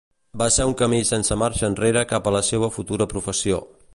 Va ser un camí sense marxa enrere cap a la seua futura professió.